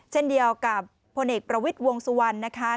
เช่นเดียวกับพลเอกประวิทย์วงสุวรรณนะคะ